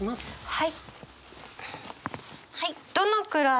はい。